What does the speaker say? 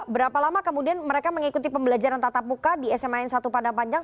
berapa lama kemudian mereka mengikuti pembelajaran tatap muka di sma n satu padang panjang